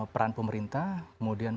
peran pemerintah kemudian